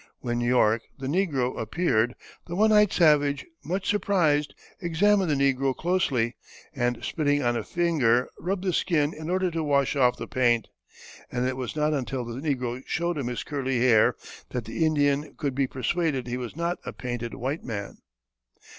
When York, the negro, appeared, the one eyed savage, much surprised, examined the negro closely, and spitting on a finger rubbed the skin in order to wash off the paint, and it was not until the negro showed his curly hair that the Indian could be persuaded he was not a painted white man.